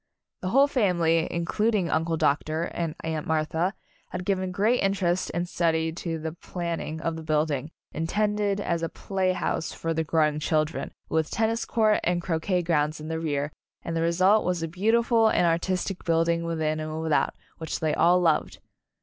The whole family, includ ing Uncle Doctor and Aunt Martha, had given great interest and study to the plan ning of the building, intended as a play An Announcement Party 11 house for the growing children, with ten nis court and croquet grounds in the rear, and the result was a beautiful and artistic building within and without, which they all loved.